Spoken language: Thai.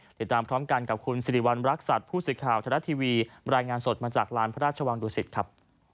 ติดตามพร้อมกันกับคุณสิริวัณรักษัตริย์ผู้สื่อข่าวธนัดทีวีรายงานสดมาจากลานพระราชวังดุสิตครับ